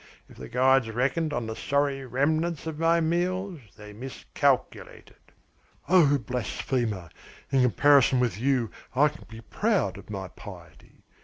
If the gods reckoned on the sorry remnants of my meals they miscalculated." "Oh, blasphemer, in comparison with you I can be proud of my piety.